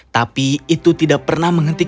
tapi itu tidak pernah menghentikan